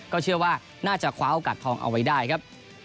เชื่อว่าน่าจะคว้าโอกาสทองเอาไว้ได้ครับ